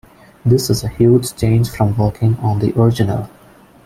This is a huge change from working on the original.